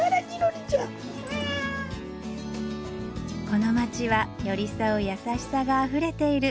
この街は寄り添う優しさがあふれている